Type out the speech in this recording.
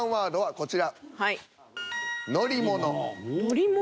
こちら。